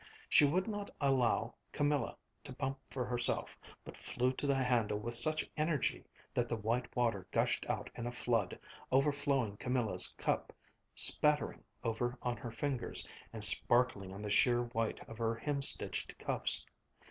She would not allow Camilla to pump for herself, but flew to the handle with such energy that the white water gushed out in a flood, overflowing Camilla's cup, spattering over on her fingers, and sparkling on the sheer white of her hemstitched cuffs.